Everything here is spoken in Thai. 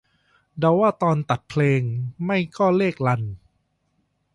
เดาว่า ตอนตัดเพลง ไม่ก็เลขรัน